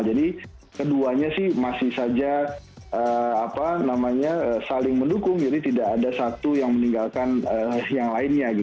keduanya sih masih saja saling mendukung jadi tidak ada satu yang meninggalkan yang lainnya